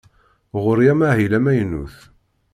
Ɣur-i amahil amaynut.